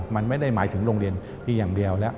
มันไม่ได้หมายถึงโรงเรียนมีอย่างเดียวแล้ว